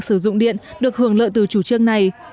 sử dụng điện được hưởng lợi từ chủ trương này